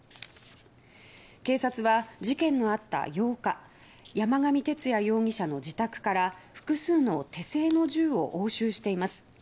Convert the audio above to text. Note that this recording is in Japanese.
警察は事件のあった８日山上徹也容疑者の自宅から複数の手製の銃を押収しています。